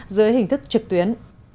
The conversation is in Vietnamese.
dưới hình thức trực tuyến